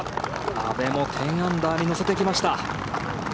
阿部も１０アンダーに乗せてきました。